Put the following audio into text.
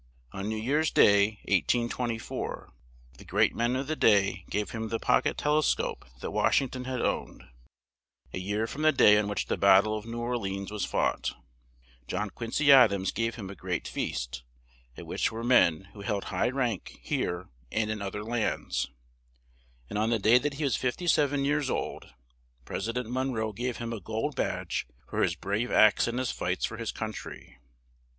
On New Year's Day, 1824, the great men of the day gave him the pock et tel e scope that Wash ing ton had owned; a year from the day on which the Bat tle of New Or le ans was fought, John Quin cy Ad ams gave him a great feast, at which were men, who held high rank here and in oth er lands; and on the day that he was fif ty sev en years old, Pres i dent Mon roe gave him a gold badge for his brave acts in his fights for his coun try.